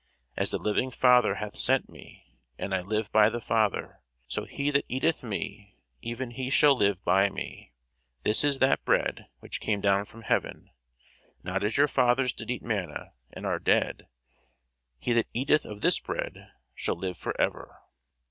As the living Father hath sent me, and I live by the Father: so he that eateth me, even he shall live by me. This is that bread which came down from heaven: not as your fathers did eat manna, and are dead: he that eateth of this bread shall live for ever.